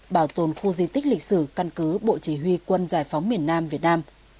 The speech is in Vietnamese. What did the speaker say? bảo tồn khu di tích lịch sử căn cứ bộ chỉ huy quân giải phóng miền nam việt nam